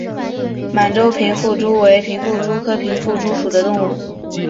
满洲平腹蛛为平腹蛛科平腹蛛属的动物。